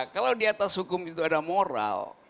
kalau di atas hukum itu ada moral